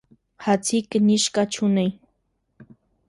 Հացի կնիժկա չունի: